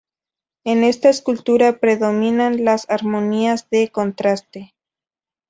En esta escultura predominan las armonías de contraste.